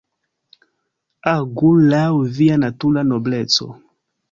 Agu laŭ via natura nobleco.